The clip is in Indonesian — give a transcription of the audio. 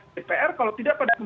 kalau tidak pada pemerintah